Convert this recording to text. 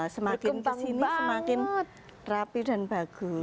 semakin kesini semakin rapi dan bagus